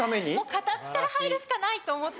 形から入るしかないと思って。